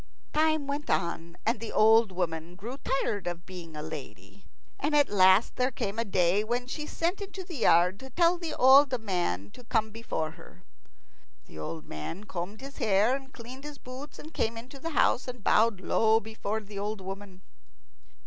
Time went on, and the old woman grew tired of being only a lady. And at last there came a day when she sent into the yard to tell the old man to come before her. The poor old man combed his hair and cleaned his boots, and came into the house, and bowed low before the old woman.